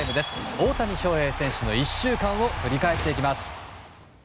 大谷翔平選手の１週間を振り返っていきます。